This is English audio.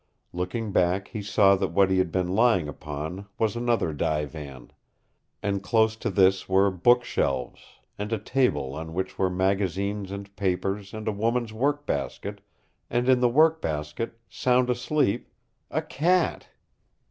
Looking back, he saw that what he had been lying upon was another divan. And dose to this were book shelves, and a table on which were magazines and papers and a woman's workbasket, and in the workbasket sound asleep a cat!